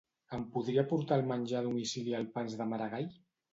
Em podria portar el menjar a domicili el Pans de Maragall?